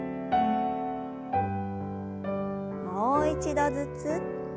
もう一度ずつ。